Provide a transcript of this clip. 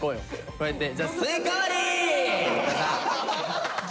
こうやって。